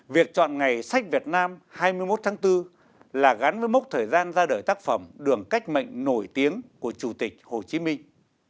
việc chọn ngày sách việt nam hai mươi một tháng bốn là gắn với mốc thời gian ra đời tác phẩm đường cách mệnh nổi tiếng của chủ tịch hồ chí minh